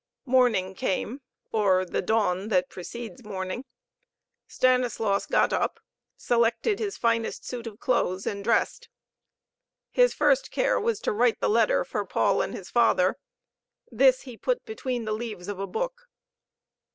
Morning came, or the dawn that precedes the morning. Stanislaus got up, selected his finest suit of clothes, and dressed. His first care was to write the letter for Paul and his father. This he put between the leaves of a book.